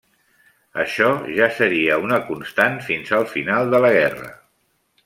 Això ja seria una constant fins al final de la guerra.